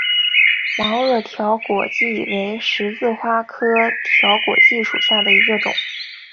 毛萼条果芥为十字花科条果芥属下的一个种。